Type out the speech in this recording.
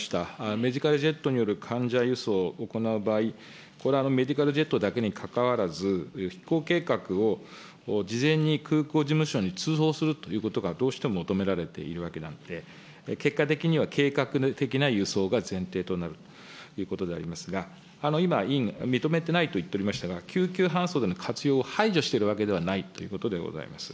メディカルジェットによる患者輸送を行う場合、これはメディカルジェットだけにかかわらず、飛行計画を事前に空港事務所に通報するということがどうしても求められているのであって、結果的には計画的な輸送が前提となるということでありますが、今、委員、認めてないと言っておられましたが、救急搬送での活用を排除しているわけではないということでございます。